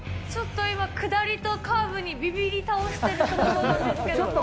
ちょっと今、下りとカーブにびびり倒してるところなんですけども。